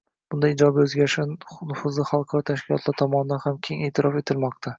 Bunday ijobiy o‘zgarishlar nufuzli xalqaro tashkilotlar tomonidan ham keng e’tirof etilmoqda.